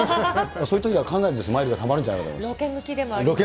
そういうときはかなりマイルがたまるんじゃないかなと思います。